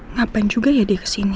ngapain juga ya dia kesini